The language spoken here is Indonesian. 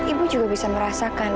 ibu juga bisa merasakan